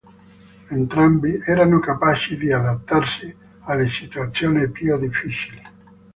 Entrambi erano capaci di adattarsi alle situazioni più difficili.